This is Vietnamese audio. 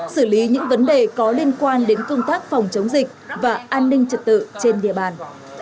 xử lý những vấn đề có liên quan đến công tác phòng chống dịch và an ninh trật tự trên địa bàn